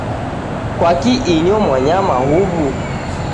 Kwaki inyo mwanyama huw'u?